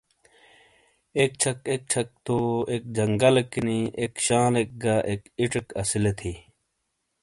ایک چھک ایک چھک تو ایک جنگل کینی ایک شالیک گہ ایک ایڇیک اسیلے تھی۔